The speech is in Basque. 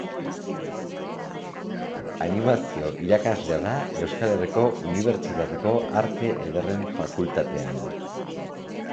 Animazio irakaslea da Euskal Herriko Unibertsitateko Arte Ederren Fakultatean.